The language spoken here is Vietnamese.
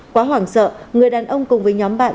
quá hoảng sợ người đàn ông cùng với nhóm bạn